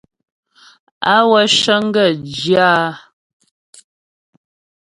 Awə̂ cəŋ gaə̂ zhyə áa.